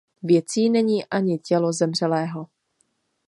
Věcí není ani tělo zemřelého.